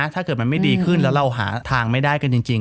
ถ้าเกิดมันไม่ดีขึ้นแล้วเราหาทางไม่ได้กันจริง